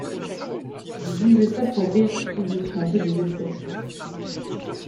Je disais ça pour rire, je suis un peu désespéré.